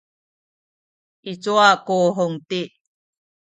i cuwa ku Huting?